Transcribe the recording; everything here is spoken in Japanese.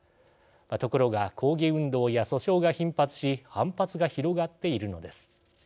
ところが抗議運動や訴訟が頻発し反発が広がっているのです。